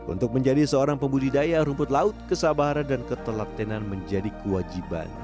untuk menjadi seorang pembudidaya rumput laut kesabaran dan ketelaktenan menjadi kewajiban